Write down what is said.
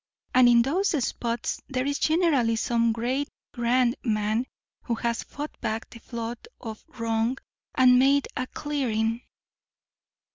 And in those spots there is generally some great, grand man, who has fought back the flood of wrong and made a clearing."